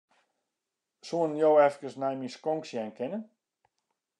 Soenen jo efkes nei myn skonk sjen kinne?